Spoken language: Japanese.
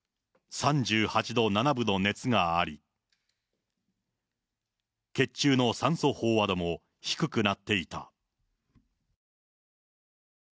３８度７分の熱があり、血中の酸素飽和度も低くなっていた。